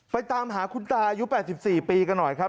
ตามหาคุณตาอายุ๘๔ปีกันหน่อยครับ